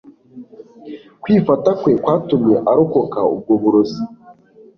kwifata kwe kwatumye arokoka ubwo burozi.